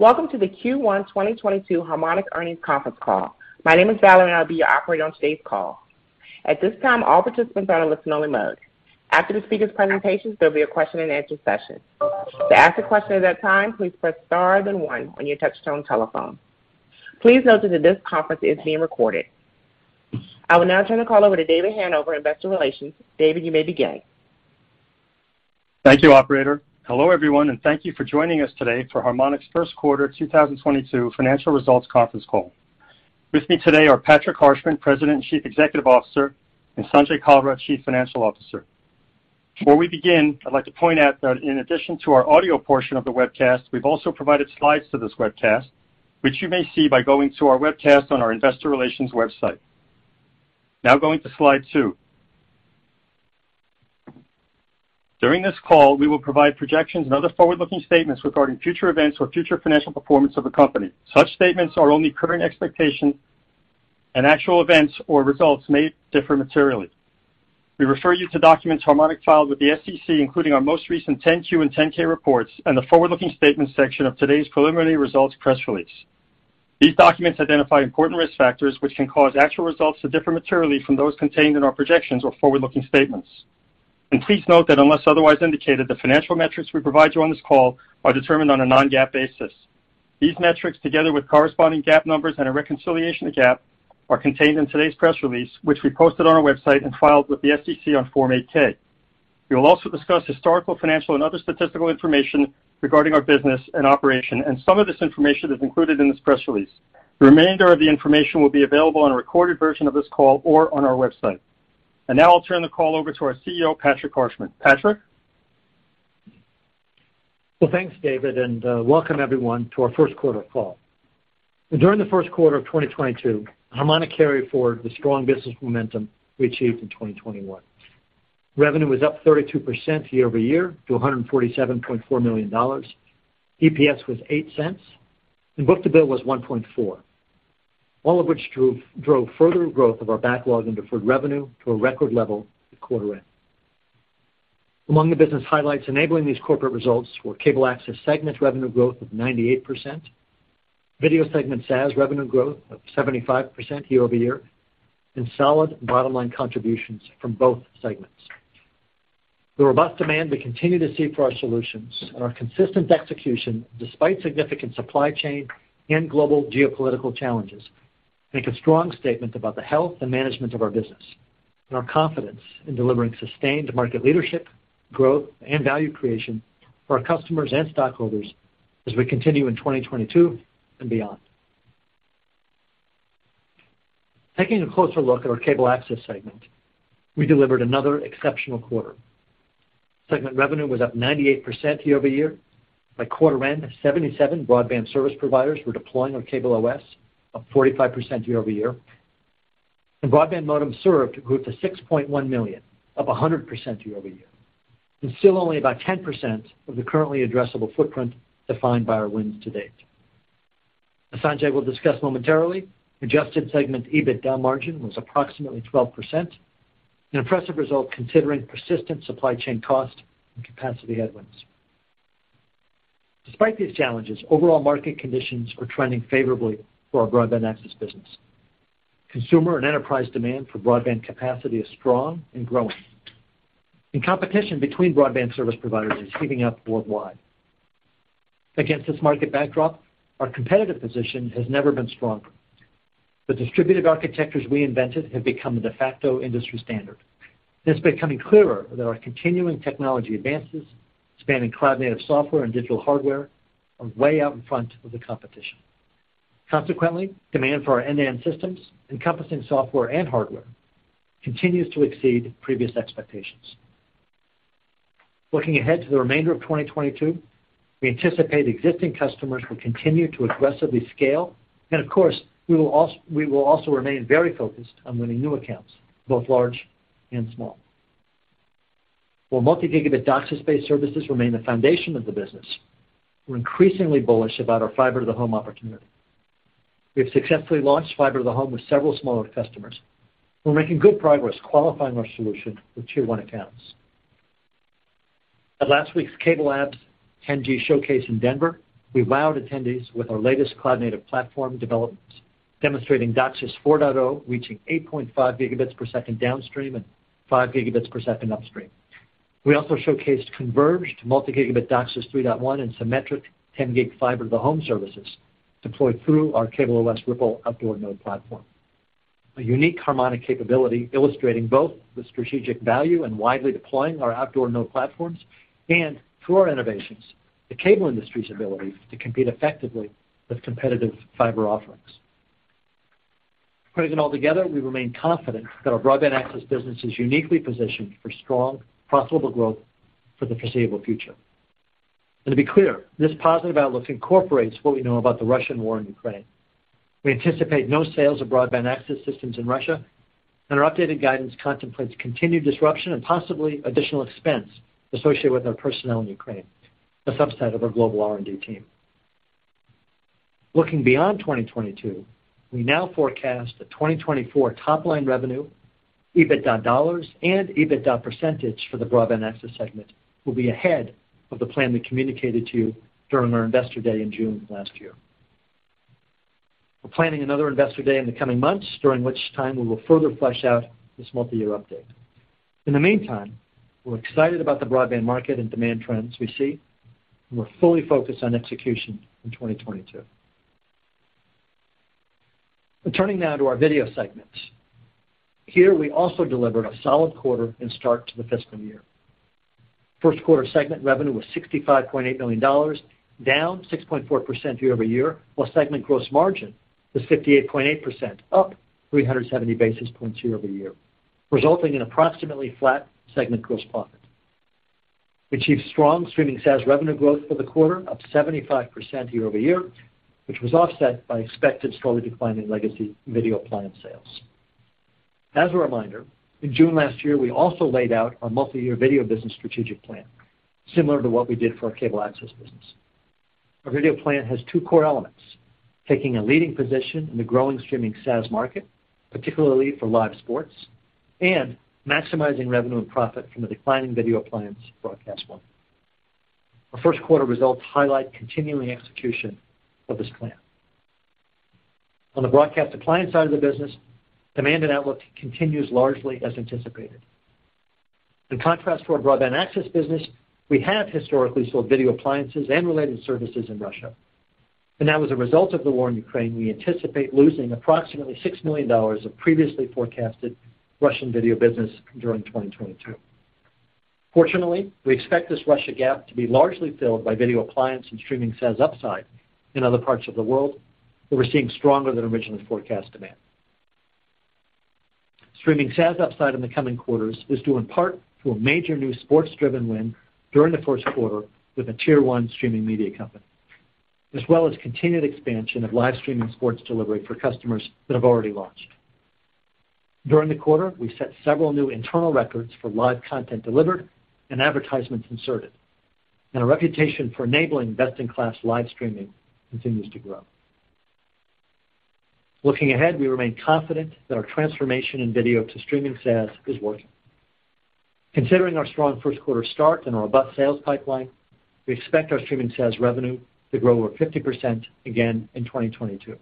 Welcome to the Q1 2022 Harmonic Earnings Conference Call. My name is Valerie, and I'll be your operator on today's call. At this time, all participants are in a listen-only mode. After the speaker's presentations, there'll be a question and answer session. To ask a question at that time, please press star then one on your touchtone telephone. Please note that this conference is being recorded. I will now turn the call over to David Hanover, Investor Relations. David, you may begin. Thank you, operator. Hello, everyone, and thank you for joining us today for Harmonic's first quarter 2022 financial results conference call. With me today are Patrick Harshman, President and Chief Executive Officer, and Sanjay Kalra, Chief Financial Officer. Before we begin, I'd like to point out that in addition to our audio portion of the webcast, we've also provided slides to this webcast, which you may see by going to our webcast on our investor relations website. Now going to slide two. During this call, we will provide projections and other forward-looking statements regarding future events or future financial performance of the company. Such statements are only current expectations and actual events or results may differ materially. We refer you to documents Harmonic filed with the SEC, including our most recent 10-Q and 10-K reports and the forward-looking statements section of today's preliminary results press release. These documents identify important risk factors which can cause actual results to differ materially from those contained in our projections or forward-looking statements. Please note that unless otherwise indicated, the financial metrics we provide you on this call are determined on a non-GAAP basis. These metrics, together with corresponding GAAP numbers and a reconciliation to GAAP, are contained in today's press release, which we posted on our website and filed with the SEC on Form 8-K. We will also discuss historical, financial and other statistical information regarding our business and operation, and some of this information is included in this press release. The remainder of the information will be available on a recorded version of this call or on our website. Now I'll turn the call over to our CEO, Patrick Harshman. Patrick. Well, thanks, David, and welcome everyone to our first quarter call. During the first quarter of 2022, Harmonic carried forward the strong business momentum we achieved in 2021. Revenue was up 32% year-over-year to $147.4 million. EPS was 0.08 and book-to-bill was 1.4, all of which drove further growth of our backlog and deferred revenue to a record level at quarter end. Among the business highlights enabling these corporate results were Cable Access segment revenue growth of 98%, Video segment SaaS revenue growth of 75% year-over-year, and solid bottom-line contributions from both segments. The robust demand we continue to see for our solutions and our consistent execution despite significant supply chain and global geopolitical challenges make a strong statement about the health and management of our business and our confidence in delivering sustained market leadership, growth and value creation for our customers and stockholders as we continue in 2022 and beyond. Taking a closer look at our Cable Access segment, we delivered another exceptional quarter. Segment revenue was up 98% year-over-year. By quarter end, 77 broadband service providers were deploying on CableOS, up 45% year-over-year. Broadband modems served grew to 6.1 million, up 100% year-over-year, and still only about 10% of the currently addressable footprint defined by our wins to date. As Sanjay will discuss momentarily, adjusted segment EBITDA margin was approximately 12%, an impressive result considering persistent supply chain cost and capacity headwinds. Despite these challenges, overall market conditions are trending favorably for our broadband access business. Consumer and enterprise demand for broadband capacity is strong and growing, and competition between broadband service providers is heating up worldwide. Against this market backdrop, our competitive position has never been stronger. The distributed architectures we invented have become the de facto industry standard, and it's becoming clearer that our continuing technology advances spanning cloud native software and digital hardware are way out in front of the competition. Consequently, demand for our end-to-end systems encompassing software and hardware continues to exceed previous expectations. Looking ahead to the remainder of 2022, we anticipate existing customers will continue to aggressively scale. Of course, we will also remain very focused on winning new accounts, both large and small. While multi-gigabit DOCSIS-based services remain the foundation of the business, we're increasingly bullish about our fiber to the home opportunity. We have successfully launched fiber to the home with several smaller customers. We're making good progress qualifying our solution with tier one accounts. At last week's CableLabs 10G showcase in Denver, we wowed attendees with our latest cloud native platform developments, demonstrating DOCSIS 4.0 reaching 8.5 gigabits per second downstream and five gigabits per second upstream. We also showcased converged multi-gigabit DOCSIS 3.1 and symmetric 10G fiber to the home services deployed through our CableOS Ripple outdoor node platform, a unique Harmonic capability illustrating both the strategic value in widely deploying our outdoor node platforms and through our innovations, the cable industry's ability to compete effectively with competitive fiber offerings. Putting it all together, we remain confident that our broadband access business is uniquely positioned for strong profitable growth for the foreseeable future. To be clear, this positive outlook incorporates what we know about the Russian war in Ukraine. We anticipate no sales of broadband access systems in Russia, and our updated guidance contemplates continued disruption and possibly additional expense associated with our personnel in Ukraine, a subset of our global R&D team. Looking beyond 2022, we now forecast the 2024 top-line revenue, EBITDA dollars and EBITDA percentage for the broadband access segment will be ahead of the plan we communicated to you during our Investor Day in June of last year. We're planning another Investor Day in the coming months, during which time we will further flesh out this multi-year update. In the meantime, we're excited about the broadband market and demand trends we see, and we're fully focused on execution in 2022. We're turning now to our video segments. Here we also delivered a solid quarter and start to the fiscal year. First quarter segment revenue was $65.8 million, down 6.4% year-over-year, while segment gross margin was 58.8%, up 370 basis points year-over-year, resulting in approximately flat segment gross profit. We achieved strong streaming SaaS revenue growth for the quarter, up 75% year-over-year, which was offset by expected slowly declining legacy video appliance sales. As a reminder, in June last year, we also laid out our multi-year video business strategic plan, similar to what we did for our cable access business. Our video plan has two core elements, taking a leading position in the growing streaming SaaS market, particularly for live sports, and maximizing revenue and profit from the declining video appliance broadcast model. Our first quarter results highlight continuing execution of this plan. On the broadcast appliance side of the business, demand and outlook continues largely as anticipated. In contrast to our broadband access business, we have historically sold video appliances and related services in Russia. Now as a result of the war in Ukraine, we anticipate losing approximately $6 million of previously forecasted Russian video business during 2022. Fortunately, we expect this Russia gap to be largely filled by video appliance and streaming SaaS upside in other parts of the world, where we're seeing stronger than originally forecast demand. Streaming SaaS upside in the coming quarters is due in part to a major new sports-driven win during the first quarter with a tier one streaming media company, as well as continued expansion of live streaming sports delivery for customers that have already launched. During the quarter, we set several new internal records for live content delivered and advertisements inserted, and our reputation for enabling best-in-class live streaming continues to grow. Looking ahead, we remain confident that our transformation in video to streaming SaaS is working. Considering our strong first quarter start and our robust sales pipeline, we expect our streaming SaaS revenue to grow over 50% again in 2022,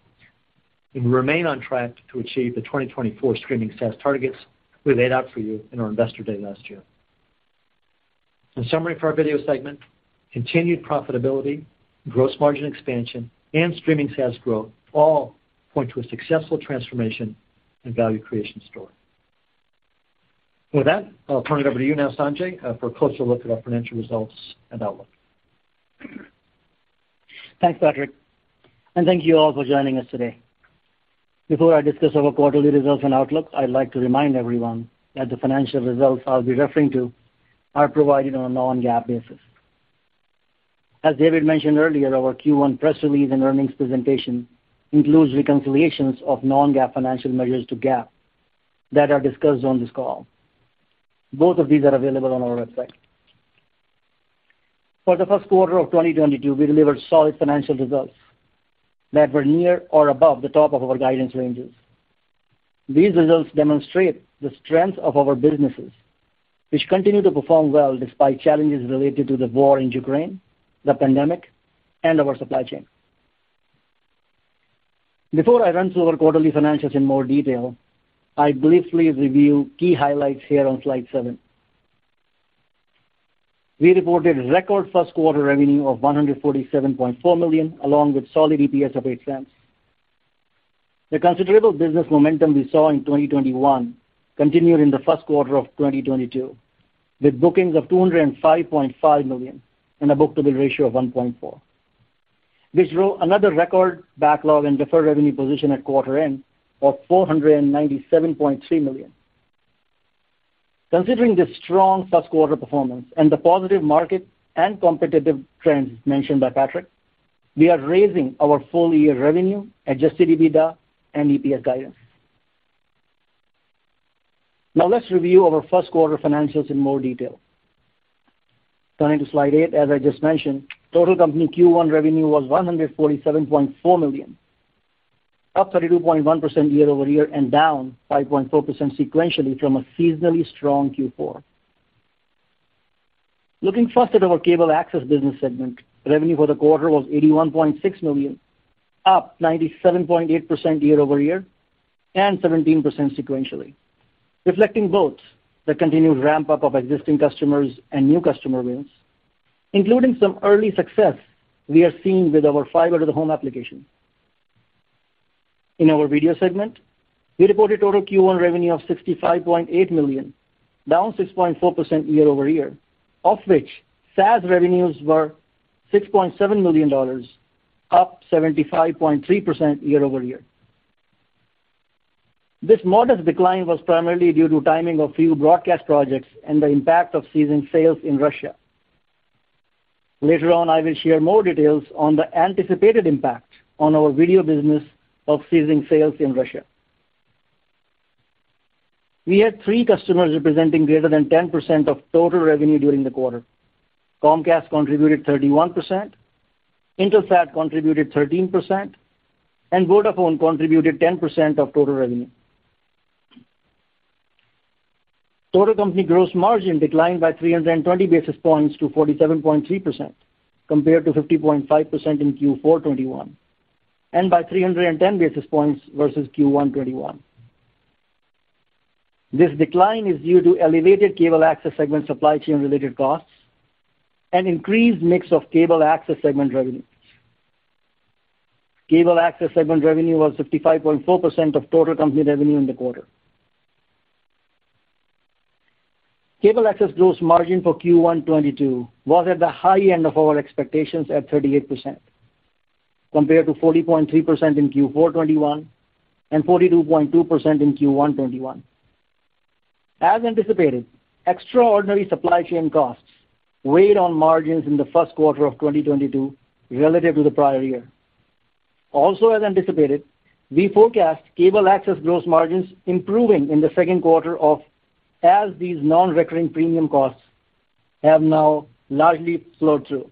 and we remain on track to achieve the 2024 streaming SaaS targets we laid out for you in our Investor Day last year. In summary for our video segment, continued profitability, gross margin expansion, and streaming SaaS growth all point to a successful transformation and value creation story. With that, I'll turn it over to you now, Sanjay, for a closer look at our financial results and outlook. Thanks, Patrick, and thank you all for joining us today. Before I discuss our quarterly results and outlook, I'd like to remind everyone that the financial results I'll be referring to are provided on a non-GAAP basis. As David mentioned earlier, our Q1 press release and earnings presentation includes reconciliations of non-GAAP financial measures to GAAP that are discussed on this call. Both of these are available on our website. For the first quarter of 2022, we delivered solid financial results that were near or above the top of our guidance ranges. These results demonstrate the strength of our businesses, which continue to perform well despite challenges related to the war in Ukraine, the pandemic, and our supply chain. Before I run through our quarterly financials in more detail, I briefly review key highlights here on slide seven. We reported record first quarter revenue of 147.4 million, along with solid EPS of 0.08. The considerable business momentum we saw in 2021 continued in the first quarter of 2022, with bookings of 205.5 million and a book-to-bill ratio of 1.4. This drove another record backlog and deferred revenue position at quarter end of 497.3 million. Considering the strong first quarter performance and the positive market and competitive trends mentioned by Patrick, we are raising our full-year revenue, adjusted EBITDA and EPS guidance. Now let's review our first quarter financials in more detail. Turning to slide eight, as I just mentioned, total company Q1 revenue was 147.4 million, up 32.1% year-over-year and down 5.4% sequentially from a seasonally strong Q4. Looking first at our cable access business segment, revenue for the quarter was 81.6 million, up 97.8% year-over-year and 17% sequentially, reflecting both the continued ramp-up of existing customers and new customer wins, including some early success we are seeing with our fiber-to-the-home application. In our video segment, we reported total Q1 revenue of $65.8 million, down 6.4% year-over-year, of which SaaS revenues were $6.7 million, up 75.3% year-over-year. This modest decline was primarily due to timing of few broadcast projects and the impact of ceasing sales in Russia. Later on, I will share more details on the anticipated impact on our video business of ceasing sales in Russia. We had 3 customers representing greater than 10% of total revenue during the quarter. Comcast contributed 31%, Intelsat contributed 13%, and Vodafone contributed 10% of total revenue. Total company gross margin declined by 320 basis points to 47.3% compared to 50.5% in Q4 2021, and by 310 basis points versus Q1 2021. This decline is due to elevated Cable Access segment supply chain-related costs and increased mix of Cable Access segment revenues. Cable Access segment revenue was 55.4% of total company revenue in the quarter. Cable Access gross margin for Q1 2022 was at the high end of our expectations at 38%, compared to 40.3% in Q4 2021 and 42.2% in Q1 2021. As anticipated, extraordinary supply chain costs weighed on margins in the first quarter of 2022 relative to the prior year. Also, as anticipated, we forecast Cable Access gross margins improving in the second quarter as these non-recurring premium costs have now largely flowed through.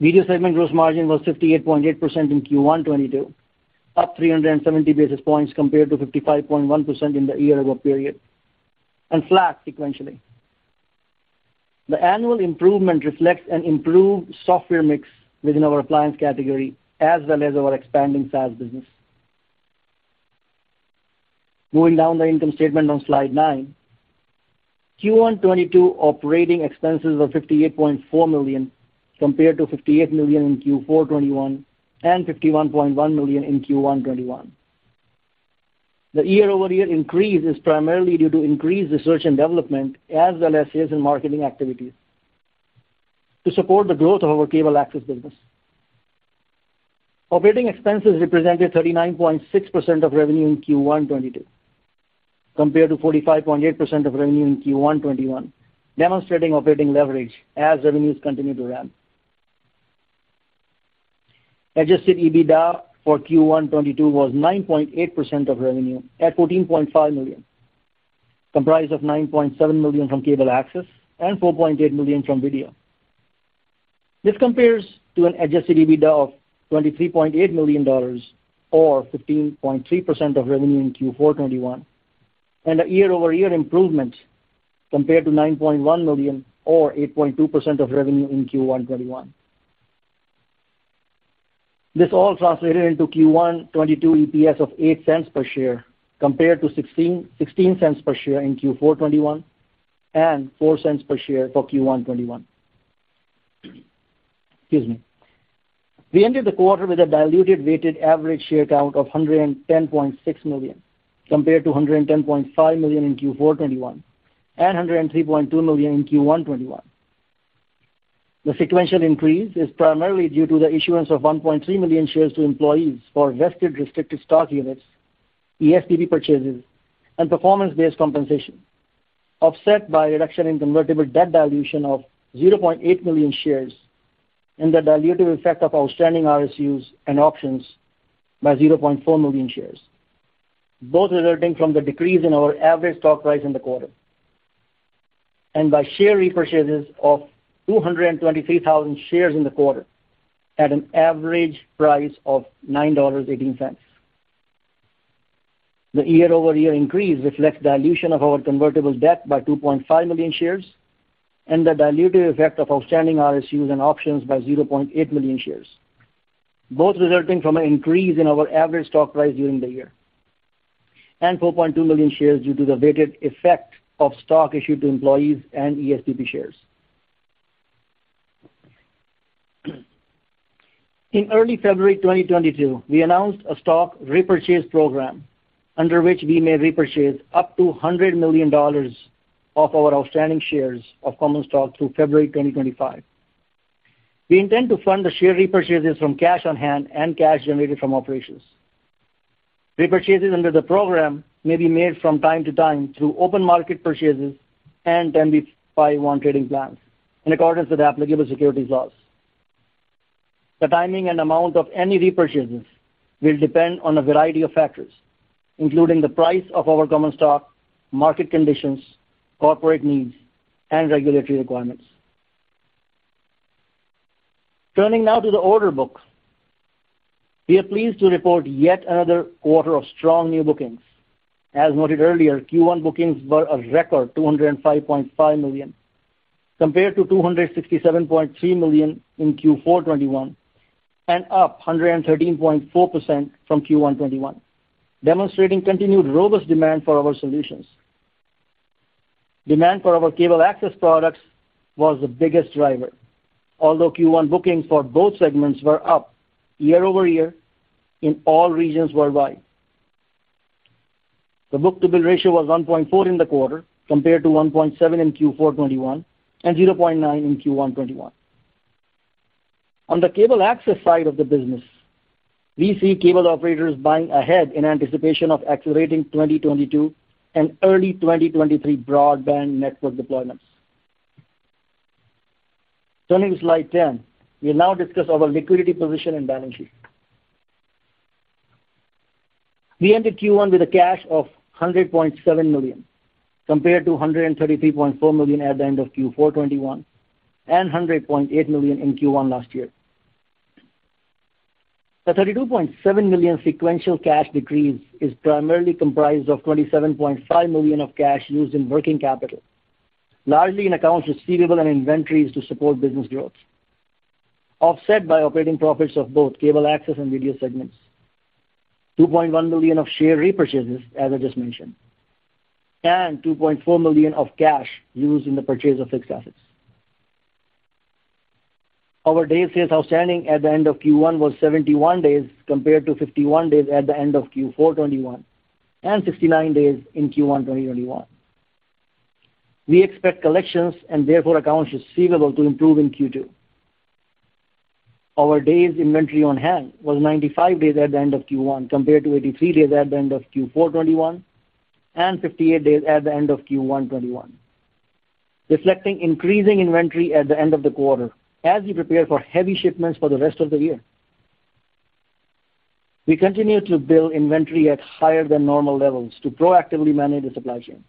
Video segment gross margin was 58.8% in Q1 2022, up 370 basis points compared to 55.1% in the year-over-year period, and flat sequentially. The annual improvement reflects an improved software mix within our appliance category, as well as our expanding SaaS business. Moving down the income statement on slide 9. Q1 2022 operating expenses were 58.4 million, compared to 58 million in Q4 2021 and 51.1 million in Q1 2021. The year-over-year increase is primarily due to increased research and development, as well as sales and marketing activities to support the growth of our Cable Access business. Operating expenses represented 39.6% of revenue in Q1 2022, compared to 45.8% of revenue in Q1 2021, demonstrating operating leverage as revenues continue to ramp. Adjusted EBITDA for Q1 2022 was 9.8% of revenue at 14.5 million, comprised of 9.7 million from Cable Access and 4.8 million from Video. This compares to an adjusted EBITDA of $23.8 million or 15.3% of revenue in Q4 2021, and a year-over-year improvement compared to $9.1 million or 8.2% of revenue in Q1 2021. This all translated into Q1 2022 EPS of 0.08 per share, compared to 0.16 per share in Q4 2021 and 0.04 per share for Q1 2021. Excuse me. We ended the quarter with a diluted weighted average share count of 110.6 million, compared to 110.5 million in Q4 2021 and 103.2 million in Q1 2021. The sequential increase is primarily due to the issuance of 1.3 million shares to employees for vested restricted stock units, ESPP purchases, and performance-based compensation, offset by a reduction in convertible debt dilution of 0.8 million shares and the dilutive effect of outstanding RSUs and options by 0.4 million shares, both resulting from the decrease in our average stock price in the quarter. By share repurchases of 223,000 shares in the quarter at an average price of 9.18. The year-over-year increase reflects dilution of our convertible debt by 2.5 million shares and the dilutive effect of outstanding RSUs and options by 0.8 million shares, both resulting from an increase in our average stock price during the year. 4.2 million shares due to the weighted effect of stock issued to employees and ESPP shares. In early February 2022, we announced a stock repurchase program under which we may repurchase up to $100 million of our outstanding shares of common stock through February 2025. We intend to fund the share repurchases from cash on hand and cash generated from operations. Repurchases under the program may be made from time to time through open market purchases and 10b5-1 trading plans in accordance with applicable securities laws. The timing and amount of any repurchases will depend on a variety of factors, including the price of our common stock, market conditions, corporate needs, and regulatory requirements. Turning now to the order books. We are pleased to report yet another quarter of strong new bookings. As noted earlier, Q1 bookings were a record 205.5 million, compared to 267.3 million in Q4 2021 and up 113.4% from Q1 2021, demonstrating continued robust demand for our solutions. Demand for our Cable Access products was the biggest driver, although Q1 bookings for both segments were up year-over-year in all regions worldwide. The book-to-bill ratio was 1.4 in the quarter, compared to 1.7 in Q4 2021 and 0.9 in Q1 2021. On the Cable Access side of the business, we see cable operators buying ahead in anticipation of accelerating 2022 and early 2023 broadband network deployments. Turning to slide 10, we now discuss our liquidity position and balance sheet. We ended Q1 with cash of 100.7 million, compared to 133.4 million at the end of Q4 2021, and 100.8 million in Q1 last year. The 32.7 million sequential cash decrease is primarily comprised of 27.5 million of cash used in working capital, largely in accounts receivable and inventories to support business growth, offset by operating profits of both Cable Access and Video segments, $2.1 million of share repurchases, as I just mentioned, and 2.4 million of cash used in the purchase of fixed assets. Our days sales outstanding at the end of Q1 was 71 days, compared to 51 days at the end of Q4 2021, and 69 days in Q1 2021. We expect collections and therefore accounts receivable to improve in Q2. Our days inventory on hand was 95 days at the end of Q1, compared to 83 days at the end of Q4 2021, and 58 days at the end of Q1 2021, reflecting increasing inventory at the end of the quarter as we prepare for heavy shipments for the rest of the year. We continue to build inventory at higher than normal levels to proactively manage the supply chain.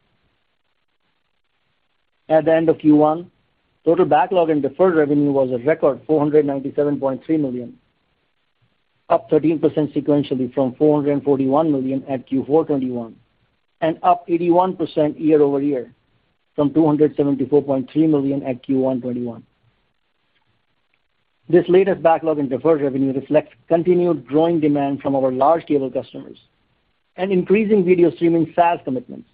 At the end of Q1, total backlog and deferred revenue was a record 497.3 million, up 13% sequentially from 441 million at Q4 2021, and up 81% year-over-year from 274.3 million at Q1 2021. This latest backlog in deferred revenue reflects continued growing demand from our large cable customers and increasing video streaming SaaS commitments.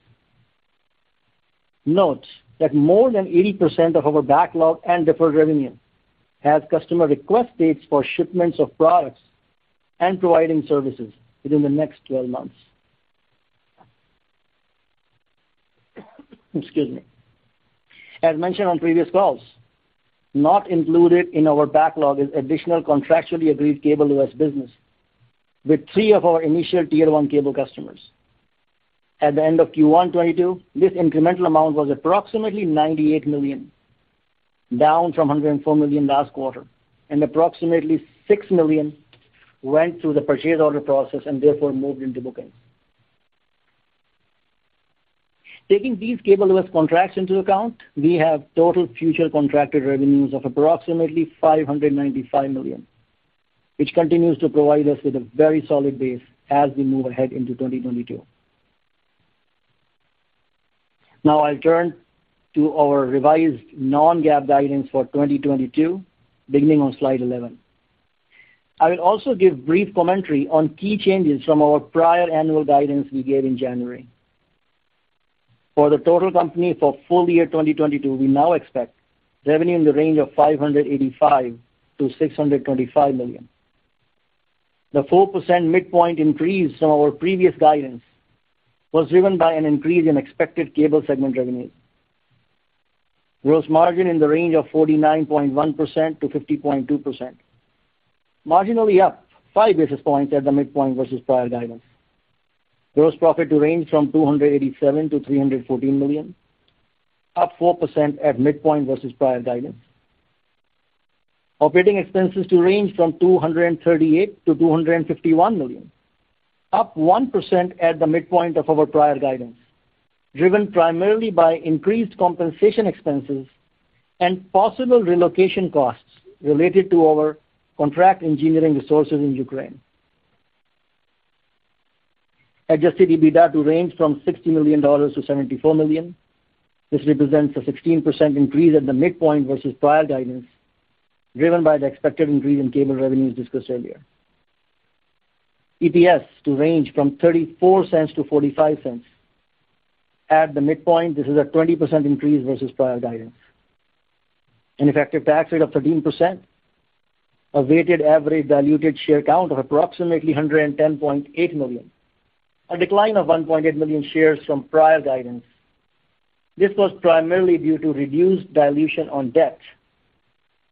Note that more than 80% of our backlog and deferred revenue has customer request dates for shipments of products and providing services within the next 12 months. Excuse me. As mentioned on previous calls, not included in our backlog is additional contractually agreed CableOS business with three of our initial tier one cable customers. At the end of Q1 2022, this incremental amount was approximately 98 million, down from 104 million last quarter, and approximately 6 million went through the purchase order process and therefore moved into bookings. Taking these CableOS contracts into account, we have total future contracted revenues of approximately 595 million, which continues to provide us with a very solid base as we move ahead into 2022. Now I'll turn to our revised non-GAAP guidance for 2022, beginning on slide 11. I will also give brief commentary on key changes from our prior annual guidance we gave in January. For the total company for full year 2022, we now expect revenue in the range of 585 million-625 million. The 4% midpoint increase from our previous guidance was driven by an increase in expected Cable segment revenues. Gross margin in the range of 49.1%-50.2%, marginally up five basis points at the midpoint versus prior guidance. Gross profit to range from 287 million-314 million, up 4% at midpoint versus prior guidance. Operating expenses to range from 238 million-251 million, up 1% at the midpoint of our prior guidance, driven primarily by increased compensation expenses and possible relocation costs related to our contract engineering resources in Ukraine. Adjusted EBITDA to range from $60 million-$74 million. This represents a 16% increase at the midpoint versus prior guidance, driven by the expected increase in Cable revenues discussed earlier. EPS to range from 0.34-0.45. At the midpoint, this is a 20% increase versus prior guidance. An effective tax rate of 13%. A weighted average diluted share count of approximately 110.8 million, a decline of 1.8 million shares from prior guidance. This was primarily due to reduced dilution on debt,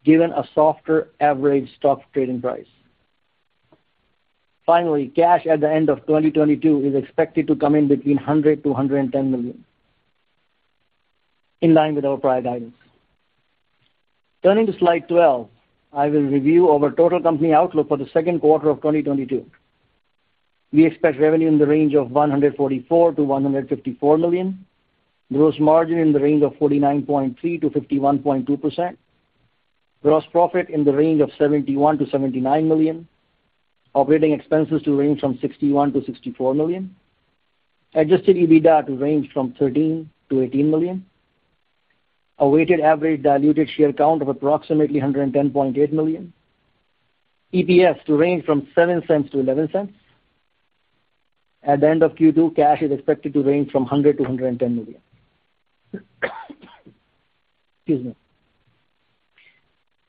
given a softer average stock trading price. Finally, cash at the end of 2022 is expected to come in between 100-110 million, in line with our prior guidance. Turning to slide 12, I will review our total company outlook for the second quarter of 2022. We expect revenue in the range of 144-154 million. Gross margin in the range of 49.3%-51.2%. Gross profit in the range of 71-79 million. Operating expenses to range from 61-64 million. Adjusted EBITDA to range from 13-18 million. A weighted average diluted share count of approximately 110.8 million. EPS to range from 0.07-0.11. At the end of Q2, cash is expected to range from 100-110 million. Excuse me.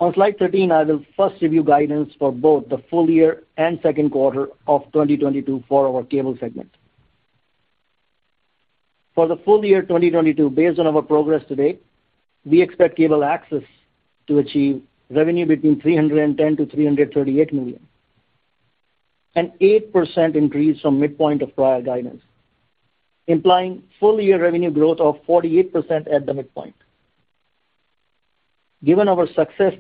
On slide 13, I will first review guidance for both the full year and second quarter of 2022 for our Cable segment. For the full year 2022, based on our progress to date, we expect Cable Access to achieve revenue between 310 million and 338 million. An 8% increase from midpoint of prior guidance, implying full-year revenue growth of 48% at the midpoint. Given our success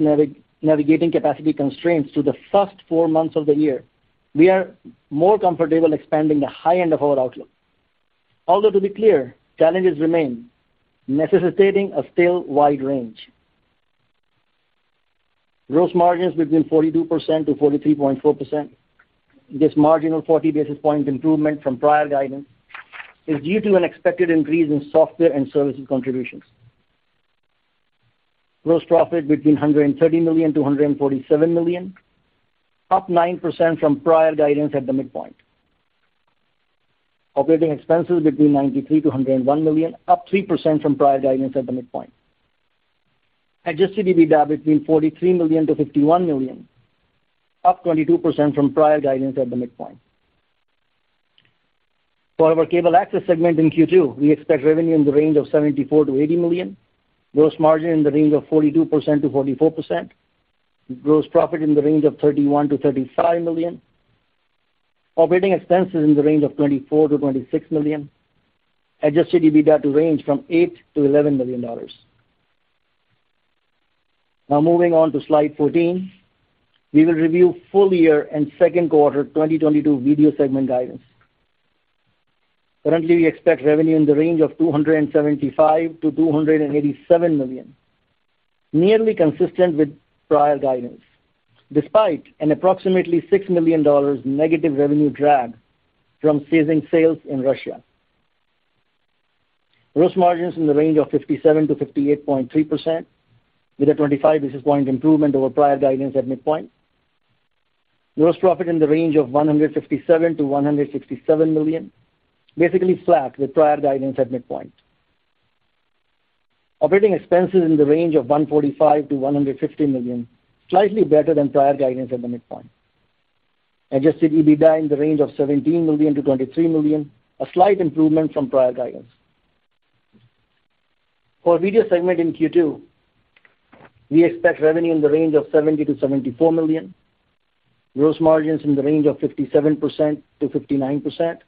navigating capacity constraints through the first four months of the year, we are more comfortable expanding the high end of our outlook. Although to be clear, challenges remain, necessitating a still wide range. Gross margins between 42% and 43.4%. This marginal 40 basis points improvement from prior guidance is due to an expected increase in software and services contributions. Gross profit between 130 million-147 million, up 9% from prior guidance at the midpoint. Operating expenses between 93 million-101 million, up 3% from prior guidance at the midpoint. Adjusted EBITDA between 43 million-51 million, up 22% from prior guidance at the midpoint. For our Cable Access segment in Q2, we expect revenue in the range of 74 million-80 million. Gross margin in the range of 42%-44%. Gross profit in the range of 31 million-35 million. Operating expenses in the range of 24 million-26 million. Adjusted EBITDA to range from $8 million-$11 million. Now moving on to slide 14. We will review full year and second quarter 2022 Video segment guidance. Currently, we expect revenue in the range of 275 million-287 million, nearly consistent with prior guidance, despite an approximately $6 million negative revenue drag from ceasing sales in Russia. Gross margins in the range of 57%-58.3% with a 25 basis point improvement over prior guidance at midpoint. Gross profit in the range of 157 million-167 million, basically flat with prior guidance at midpoint. Operating expenses in the range of 145 million-150 million, slightly better than prior guidance at the midpoint. Adjusted EBITDA in the range of 17 million-23 million, a slight improvement from prior guidance. For Video segment in Q2, we expect revenue in the range of 70 million-74 million. Gross margins in the range of 57%-59%.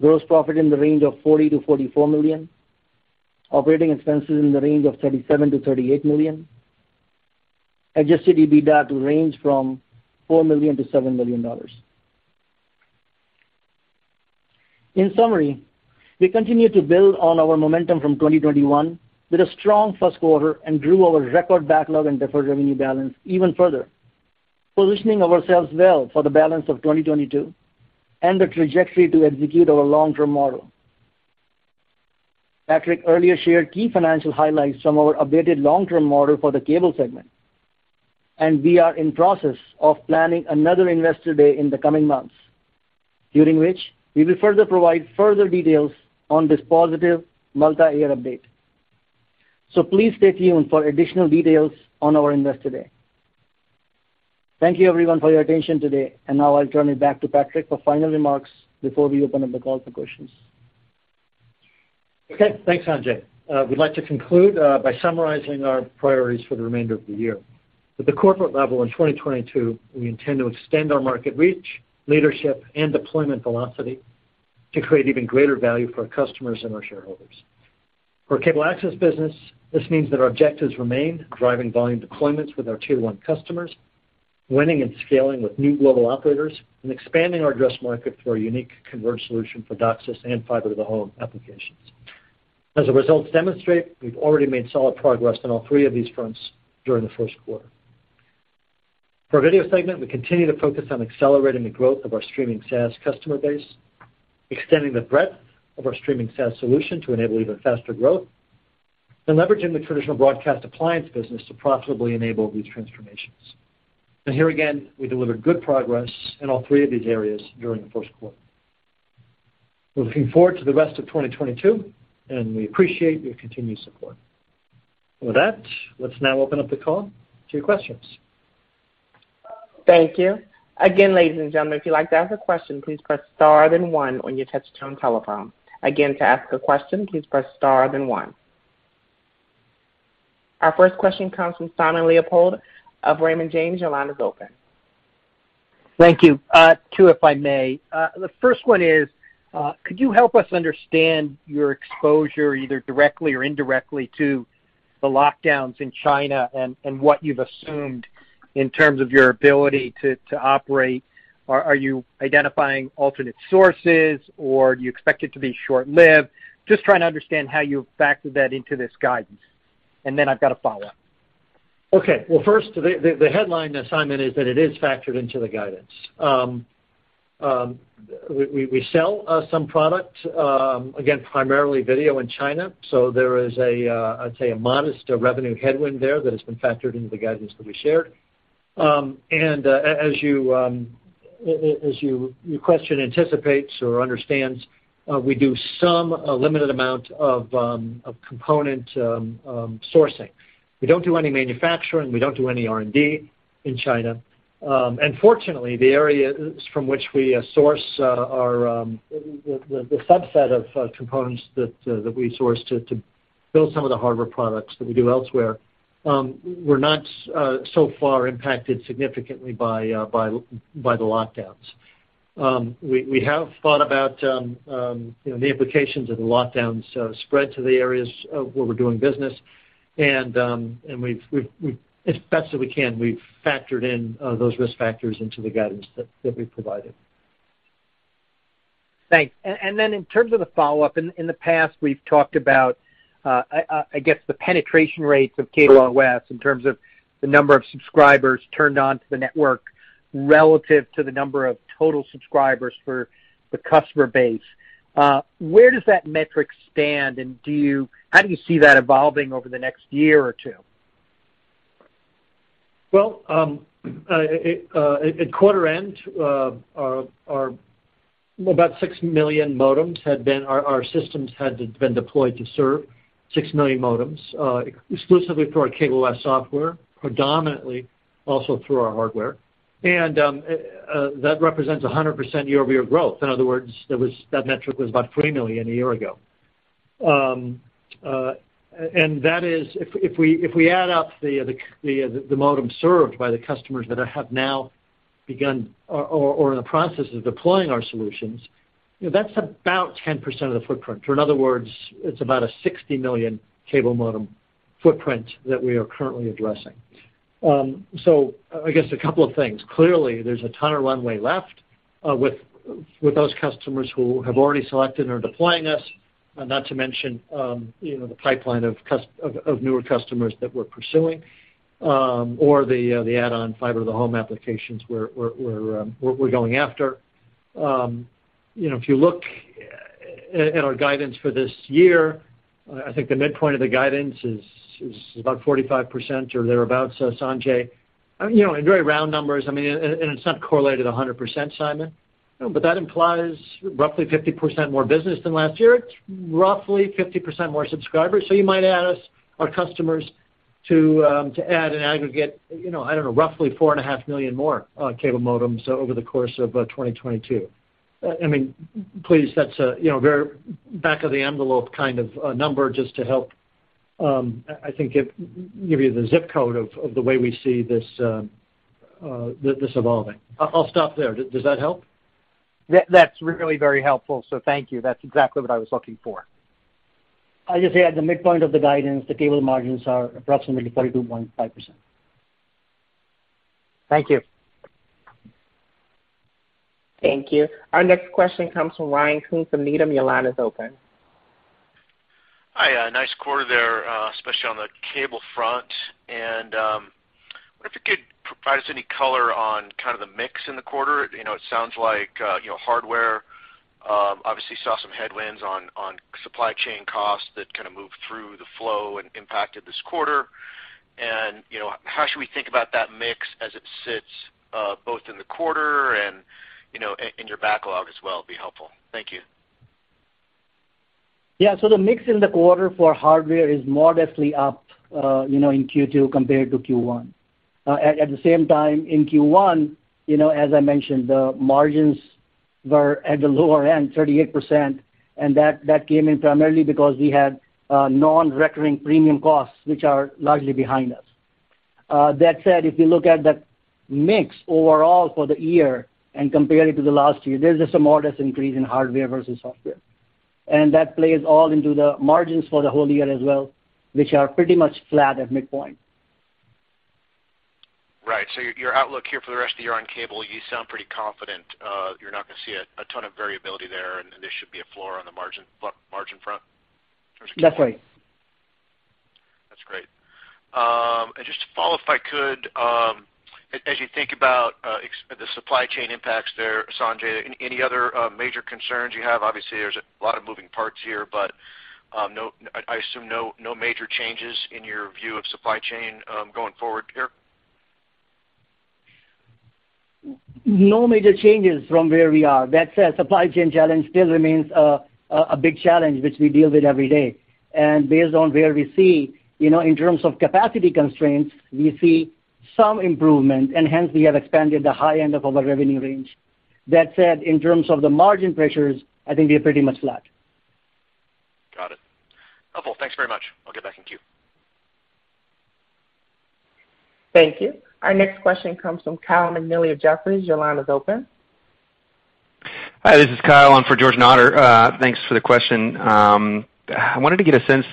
Gross profit in the range of 40-44 million. Operating expenses in the range of 37-38 million. Adjusted EBITDA to range from $4-$7 million. In summary, we continue to build on our momentum from 2021 with a strong first quarter and grew our record backlog and deferred revenue balance even further, positioning ourselves well for the balance of 2022 and the trajectory to execute our long-term model. Patrick earlier shared key financial highlights from our updated long-term model for the Cable segment, and we are in process of planning another Investor Day in the coming months, during which we will further provide further details on this positive multi-year update. Please stay tuned for additional details on our Investor Day. Thank you everyone for your attention today. Now I'll turn it back to Patrick for final remarks before we open up the call for questions. Okay, thanks, Sanjay. We'd like to conclude by summarizing our priorities for the remainder of the year. At the corporate level in 2022, we intend to extend our market reach, leadership, and deployment velocity to create even greater value for our customers and our shareholders. For Cable Access business, this means that our objectives remain driving volume deployments with our tier one customers, winning and scaling with new global operators, and expanding our addressable market for a unique converged solution for DOCSIS and fiber to the home applications. As the results demonstrate, we've already made solid progress on all three of these fronts during the first quarter. For our Video segment, we continue to focus on accelerating the growth of our streaming SaaS customer base, extending the breadth of our streaming SaaS solution to enable even faster growth, and leveraging the traditional broadcast appliance business to profitably enable these transformations. Here again, we delivered good progress in all three of these areas during the first quarter. We're looking forward to the rest of 2022, and we appreciate your continued support. With that, let's now open up the call to your questions. Thank you. Again, ladies and gentlemen, if you'd like to ask a question, please press star then one on your touch-tone telephone. Again, to ask a question, please press star then one. Our first question comes from Simon Leopold of Raymond James. Your line is open. Thank you. two, if I may. The first one is, could you help us understand your exposure, either directly or indirectly, to the lockdowns in China and what you've assumed in terms of your ability to operate? Are you identifying alternate sources, or do you expect it to be short-lived? Just trying to understand how you factored that into this guidance. I've got a follow-up. Okay. Well, first, the headline, Simon, is that it is factored into the guidance. We sell some product, again, primarily video in China. There is, I'd say, a modest revenue headwind there that has been factored into the guidance that we shared. As your question anticipates or understands, we do some, a limited amount of component sourcing. We don't do any manufacturing. We don't do any R&D in China. Fortunately, the areas from which we source our, the subset of components that we source to build some of the hardware products that we do elsewhere, we're not so far impacted significantly by the lockdowns. We have thought about, you know, the implications of the lockdowns spread to the areas of where we're doing business. We've, as best as we can, factored in those risk factors into the guidance that we've provided. Thanks. Then in terms of the follow-up, in the past, we've talked about, I guess the penetration rates of CableOS in terms of the number of subscribers turned on to the network relative to the number of total subscribers for the customer base. Where does that metric stand, and how do you see that evolving over the next year or two? Well, at quarter end, our systems had been deployed to serve 6 million modems, exclusively through our CableOS software, predominantly also through our hardware. That represents 100% year-over-year growth. In other words, that metric was about 3 million a year ago. That is if we add up the modems served by the customers that have now begun or in the process of deploying our solutions, you know, that's about 10% of the footprint. In other words, it's about a 60 million cable modem footprint that we are currently addressing. I guess a couple of things. Clearly, there's a ton of runway left with those customers who have already selected or deploying us, not to mention you know the pipeline of newer customers that we're pursuing or the add-on fiber to the home applications we're going after. You know, if you look at our guidance for this year, I think the midpoint of the guidance is about 45% or thereabouts, Sanjay. You know, in very round numbers, I mean, and it's not correlated 100%, Simon, but that implies roughly 50% more business than last year. It's roughly 50% more subscribers. So you might add our customers to add an aggregate, you know, I don't know, roughly 4.5 million more cable modems over the course of 2022. I mean, please, that's a, you know, very back of the envelope kind of number just to help, I think give you the zip code of the way we see this evolving. I'll stop there. Does that help? That's really very helpful. Thank you. That's exactly what I was looking for. I just say at the midpoint of the guidance, the cable margins are approximately 42.5%. Thank you. Thank you. Our next question comes from Ryan Koontz from Needham. Your line is open. Hi. Nice quarter there, especially on the cable front. I wonder if you could provide us any color on kind of the mix in the quarter. You know, it sounds like, you know, hardware obviously saw some headwinds on supply chain costs that kind of moved through the flow and impacted this quarter. You know, how should we think about that mix as it sits, both in the quarter and, you know, in your backlog as well would be helpful. Thank you. Yeah. The mix in the quarter for hardware is modestly up, you know, in Q2 compared to Q1. At the same time, in Q1, you know, as I mentioned, the margins were at the lower end, 38%, and that came in primarily because we had non-recurring premium costs, which are largely behind us. That said, if you look at the mix overall for the year and compare it to the last year, there's just a modest increase in hardware versus software. That plays all into the margins for the whole year as well, which are pretty much flat at midpoint. Right. Your outlook here for the rest of the year on cable, you sound pretty confident, you're not going to see a ton of variability there, and this should be a floor on the margin front for Q3. Definitely. That's great. Just to follow if I could, as you think about the supply chain impacts there, Sanjay, any other major concerns you have? Obviously, there's a lot of moving parts here, but I assume no major changes in your view of supply chain going forward here. No major changes from where we are. That said, supply chain challenge still remains a big challenge, which we deal with every day. Based on where we see, you know, in terms of capacity constraints, we see some improvement, and hence we have expanded the high end of our revenue range. That said, in terms of the margin pressures, I think we are pretty much flat. Got it. Helpful. Thanks very much. I'll get back in queue. Thank you. Our next question comes from George Notter of Jefferies. Your line is open. Hi, this is Kyle. I'm for George Notter. Thanks for the question. I wanted to get a sense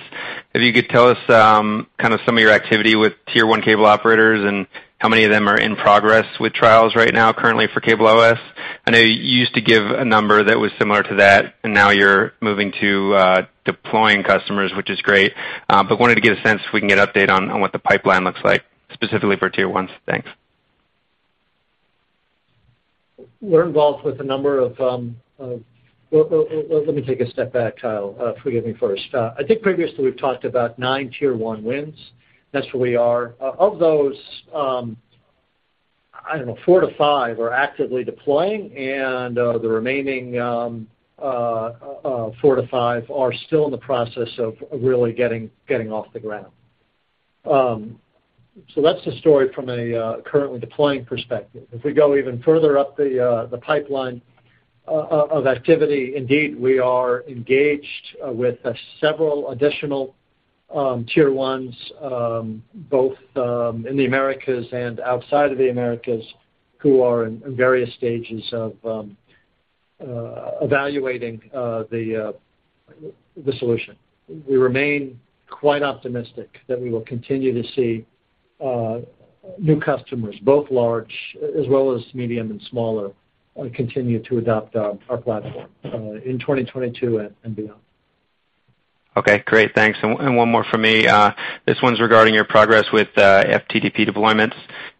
if you could tell us, kind of some of your activity with tier one cable operators and how many of them are in progress with trials right now currently for CableOS. I know you used to give a number that was similar to that, and now you're moving to deploying customers, which is great. But wanted to get a sense if we can get update on what the pipeline looks like specifically for tier ones. Thanks. We're involved with a number of well, let me take a step back, Kyle. Forgive me first. I think previously we've talked about nine tier one wins. That's where we are. Of those, I don't know, four-five are actively deploying, and the remaining four-five are still in the process of really getting off the ground. So that's the story from a currently deploying perspective. If we go even further up the pipeline of activity, indeed, we are engaged with several additional tier ones, both in the Americas and outside of the Americas, who are in various stages of evaluating the solution. We remain quite optimistic that we will continue to see new customers, both large as well as medium and smaller, continue to adopt our platform in 2022 and beyond. Okay, great. Thanks. One more from me. This one's regarding your progress with FTTH deployments.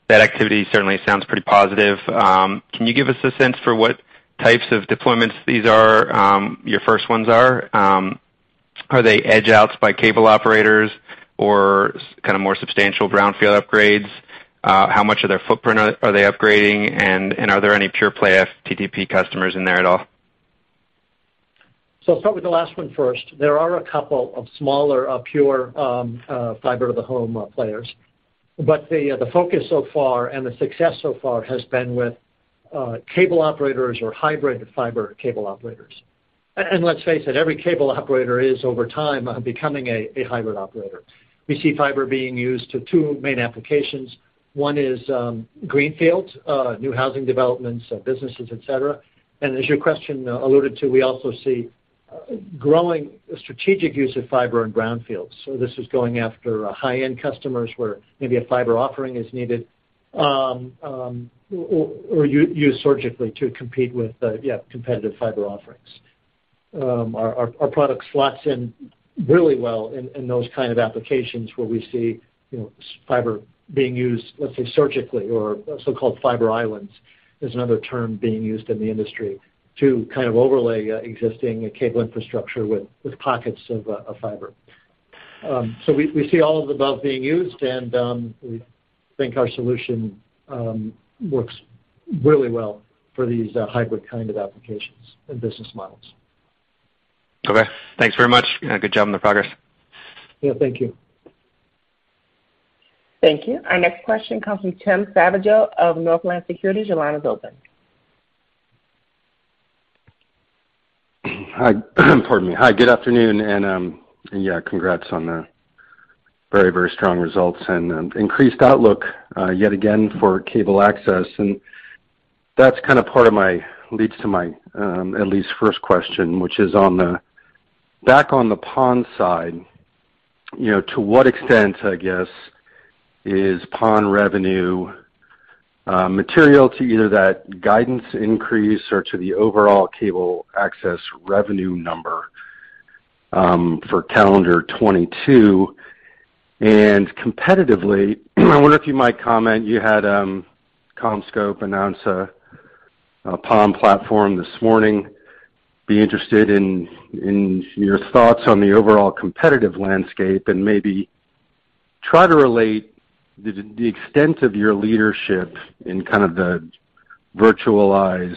That activity certainly sounds pretty positive. Can you give us a sense for what types of deployments these are, your first ones are? Are they edge outs by cable operators or kind of more substantial brownfield upgrades? How much of their footprint are they upgrading? Are there any pure play FTTH customers in there at all? I'll start with the last one first. There are a couple of smaller, pure fiber to the home players. The focus so far and the success so far has been with cable operators or hybrid fiber cable operators. Let's face it, every cable operator is over time, becoming a hybrid operator. We see fiber being used to two main applications. One is greenfields, new housing developments, businesses, et cetera. As your question alluded to, we also see growing strategic use of fiber in brownfields. This is going after high-end customers where maybe a fiber offering is needed, or used surgically to compete with, yeah, competitive fiber offerings. Our product slots in really well in those kind of applications where we see, you know, fiber being used, let's say, surgically or so-called fiber islands is another term being used in the industry to kind of overlay existing cable infrastructure with pockets of fiber. We see all of the above being used, and we think our solution works really well for these hybrid kind of applications and business models. Okay. Thanks very much, and good job on the progress. Yeah, thank you. Thank you. Our next question comes from Tim Savageaux of Northland Securities. Your line is open. Hi. Pardon me. Hi, good afternoon, and yeah, congrats on the very, very strong results and increased outlook yet again for Cable Access. That's kind of part of my leads to my at least first question, which is back on the PON side, you know, to what extent, I guess, is PON revenue material to either that guidance increase or to the overall Cable Access revenue number for calendar 2022? Competitively, I wonder if you might comment. You had CommScope announce a PON platform this morning. I'd be interested in your thoughts on the overall competitive landscape, and maybe try to relate the extent of your leadership in kind of the virtualized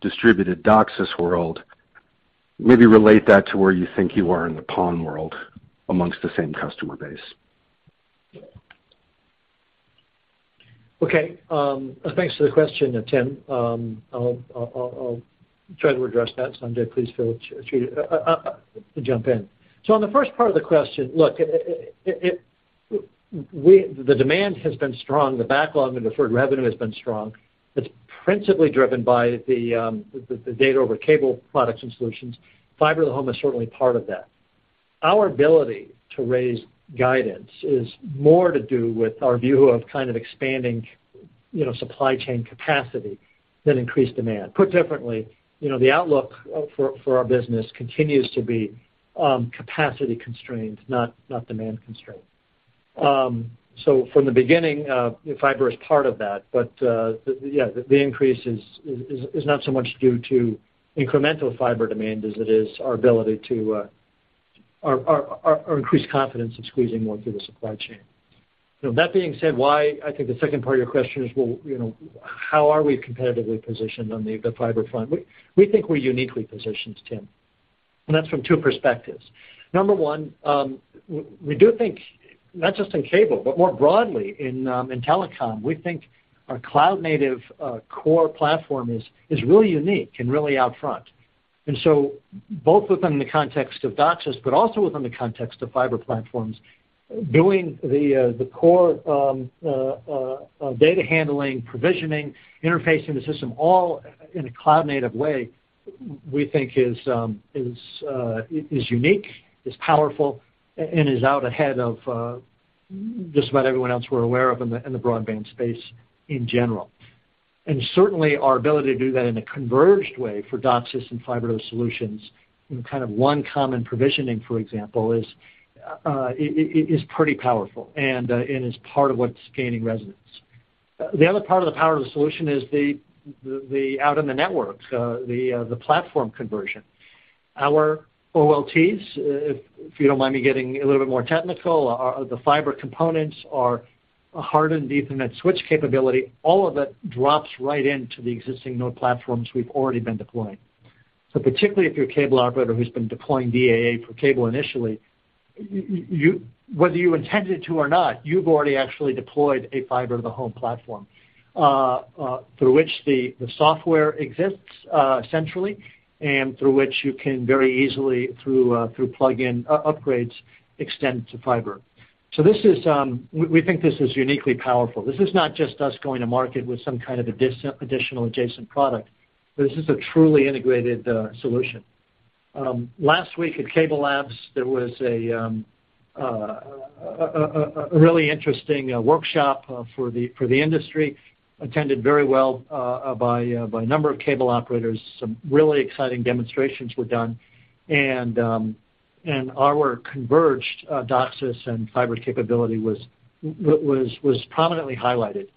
distributed DOCSIS world, maybe relate that to where you think you are in the PON world amongst the same customer base. Okay. Thanks for the question, Tim. I'll try to address that. Sanjay, please feel free to jump in. On the first part of the question, look, the demand has been strong. The backlog and deferred revenue has been strong. It's principally driven by the data over cable products and solutions. Fiber to the Home is certainly part of that. Our ability to raise guidance is more to do with our view of kind of expanding, you know, supply chain capacity than increased demand. Put differently, you know, the outlook for our business continues to be capacity constrained, not demand constrained. From the beginning, fiber is part of that, but the increase is not so much due to incremental fiber demand as it is our increased confidence of squeezing more through the supply chain. You know, that being said, why I think the second part of your question is, well, you know, how are we competitively positioned on the fiber front? We think we're uniquely positioned, Tim, and that's from two perspectives. Number one, we do think not just in cable, but more broadly in telecom, we think our cloud-native core platform is really unique and really out front. Both within the context of DOCSIS, but also within the context of fiber platforms, doing the core data handling, provisioning, interfacing the system all in a cloud-native way, we think is unique, is powerful, and is out ahead of just about everyone else we're aware of in the broadband space in general. Certainly, our ability to do that in a converged way for DOCSIS and fiber, too, solutions in kind of one common provisioning, for example, is pretty powerful and is part of what's gaining resonance. The other part of the power of the solution is the out in the networks, the platform conversion. Our OLTs, if you don't mind me getting a little bit more technical, the fiber components, our hardened Ethernet switch capability, all of it drops right into the existing node platforms we've already been deploying. Particularly if you're a cable operator who's been deploying DAA for cable initially, whether you intended to or not, you've already actually deployed a fiber to the home platform, through which the software exists centrally, and through which you can very easily, through plug-in upgrades, extend to fiber. We think this is uniquely powerful. This is not just us going to market with some kind of additional adjacent product, but this is a truly integrated solution. Last week at CableLabs, there was a really interesting workshop for the industry, attended very well by a number of cable operators. Some really exciting demonstrations were done, and our converged DOCSIS and fiber capability was prominently highlighted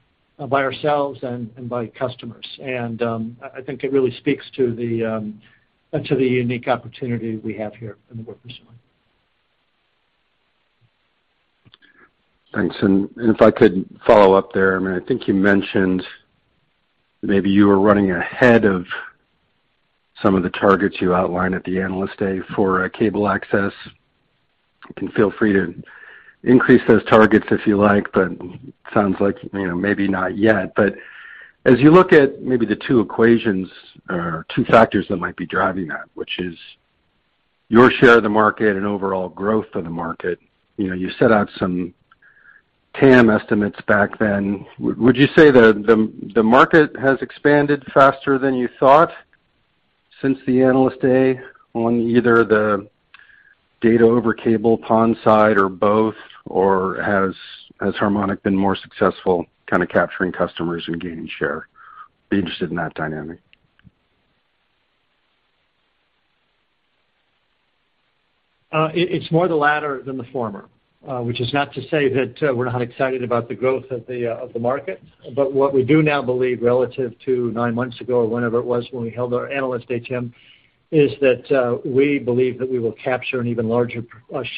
by ourselves and by customers. I think it really speaks to the unique opportunity we have here in the work stream. Thanks. If I could follow up there, I mean, I think you mentioned maybe you were running ahead of some of the targets you outlined at the Analyst Day for cable access. You can feel free to increase those targets if you like, but sounds like, you know, maybe not yet. As you look at maybe the two equations or two factors that might be driving that, which is your share of the market and overall growth of the market, you know, you set out some TAM estimates back then. Would you say the market has expanded faster than you thought since the Analyst Day on either the data over cable PON side or both, or has Harmonic been more successful kind of capturing customers and gaining share? I'd be interested in that dynamic. It's more the latter than the former. Which is not to say that we're not excited about the growth of the market. What we do now believe relative to nine months ago or whenever it was when we held our Analyst Day, Tim, is that we believe that we will capture an even larger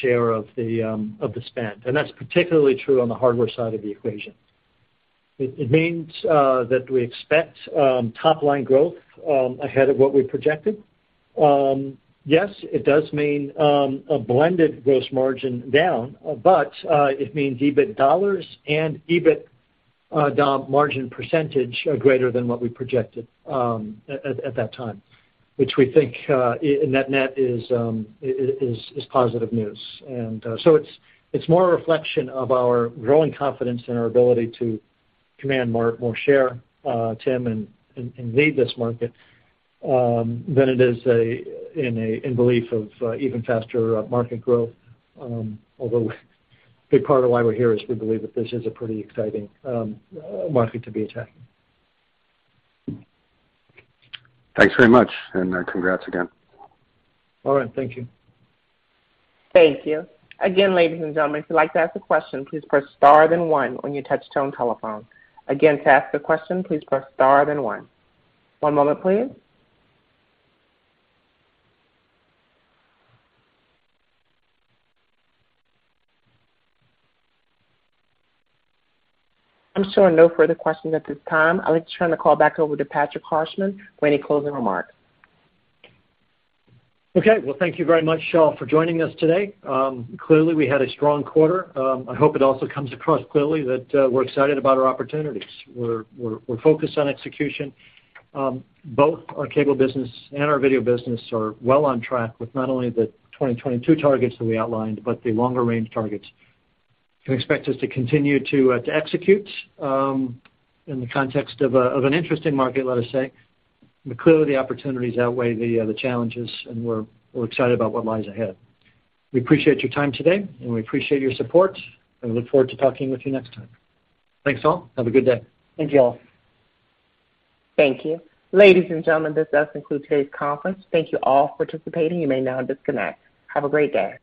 share of the spend. That's particularly true on the hardware side of the equation. It means that we expect top-line growth ahead of what we projected. Yes, it does mean a blended gross margin down, but it means EBIT dollars and EBIT dollar margin percentage are greater than what we projected at that time, which we think and that net is positive news. It's more a reflection of our growing confidence in our ability to command more share, Tim, and lead this market than it is a belief in even faster market growth. Although a big part of why we're here is we believe that this is a pretty exciting market to be attacking. Thanks very much, and congrats again. All right. Thank you. Thank you. Again, ladies and gentlemen, if you'd like to ask a question, please press star then one on your touch tone telephone. Again, to ask a question, please press star then one. One moment, please. I'm showing no further questions at this time. I'd like to turn the call back over to Patrick Harshman for any closing remarks. Okay. Well, thank you very much, Valerie, for joining us today. Clearly we had a strong quarter. I hope it also comes across clearly that we're excited about our opportunities. We're focused on execution. Both our cable business and our video business are well on track with not only the 2022 targets that we outlined, but the longer range targets. You can expect us to continue to execute in the context of an interesting market, let us say. Clearly the opportunities outweigh the challenges, and we're excited about what lies ahead. We appreciate your time today, and we appreciate your support, and we look forward to talking with you next time. Thanks, all. Have a good day. Thank you all. Thank you. Ladies and gentlemen, this does conclude today's conference. Thank you all for participating. You may now disconnect. Have a great day.